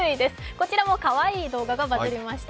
こちらもかわいい動画がバズりました。